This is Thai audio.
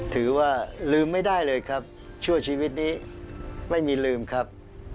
ถือว่าลืมไม่ได้เลยครับชั่วชีวิตนี้ไม่มีลืมครับ